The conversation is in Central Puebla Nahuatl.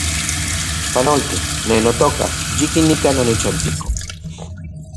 Panolti, ne notoka, yikin nikan onichantiko